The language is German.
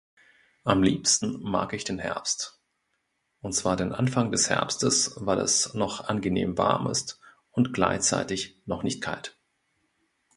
Am liebsten mag ich den Herbst. Und zwar den Anfang des Herbstes, weil es noch angenehm warm ist und gleichzeitig noch nicht kalt.